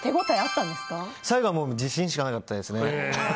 最後は自信しかなかったですね。